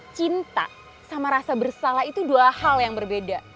cinta sama rasa bersalah itu dua hal yang berbeda